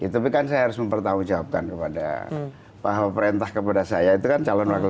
tapi kan saya harus mempertanggungjawabkan kepada pak perintah kepada saya itu kan calon wakil